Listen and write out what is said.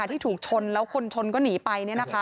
ที่ถูกชนแล้วคนชนก็หนีไป